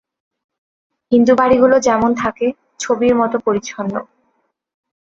হিন্দু বাড়িগুলো যেমন থাকে, ছবির মতো পরিচ্ছন্ন।